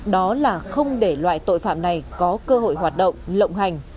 đó là không để loại tội phạm này có cơ hội hoạt động lộng hành